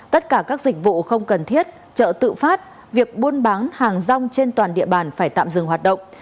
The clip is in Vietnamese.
tất cả các dịch vụ không cần thiết chợ tự phát việc buôn bán hàng rong trên toàn địa bàn phải tạm dừng hoạt động